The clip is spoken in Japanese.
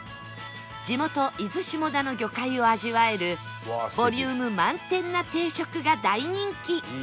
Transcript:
地元伊豆下田の魚介を味わえるボリューム満点な定食が大人気